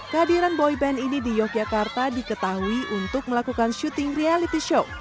kehadiran boyband ini di yogyakarta diketahui untuk melakukan syuting reality show